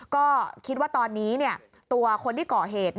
ก็คิดว่าตอนนี้ตัวคนที่ก่อเหตุ